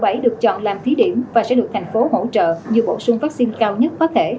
phải được chọn làm thí điểm và sẽ được thành phố hỗ trợ như bổ sung vaccine cao nhất có thể